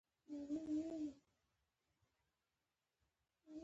په امريکا کې ډېر کسان بريالي ثابت شوي دي.